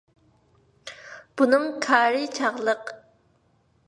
بۇنىڭ كارى چاغلىق.